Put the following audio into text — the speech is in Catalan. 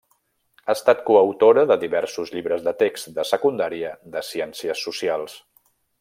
Ha estat coautora de diversos llibres de text de secundària de Ciències Socials.